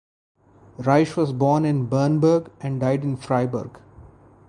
Reich was born in Bernburg and died in Freiberg.